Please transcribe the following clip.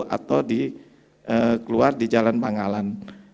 atau di keluar di jalan pangalan